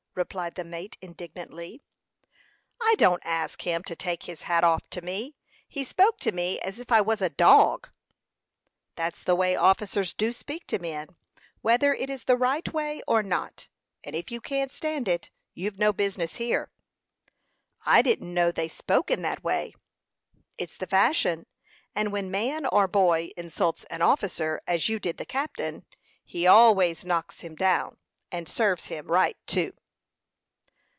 replied the mate, indignantly. "I don't ask him to take his hat off to me. He spoke to me as if I was a dog." "That's the way officers do speak to men, whether it is the right way or not; and if you can't stand it, you've no business here." "I didn't know they spoke in that way." "It's the fashion; and when man or boy insults an officer as you did the captain, he always knocks him down; and serves him right too."